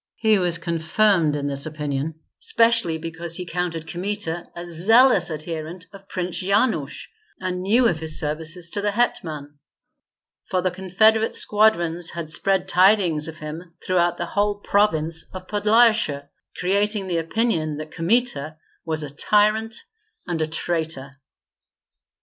He was confirmed in this opinion specially because he counted Kmita a zealous adherent of Prince Yanush, and knew of his services to the hetman; for the confederate squadrons had spread tidings of him throughout the whole province of Podlyasye, creating the opinion that Kmita was a tyrant and a traitor.